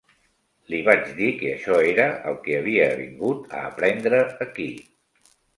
Li vaig dir que això era el que havia vingut a aprendre aquí.